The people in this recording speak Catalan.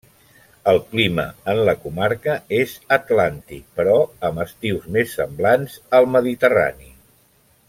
El clima en la comarca és atlàntic però amb estius més semblants al mediterrani.